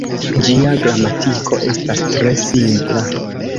Ĝia gramatiko estas tre simpla.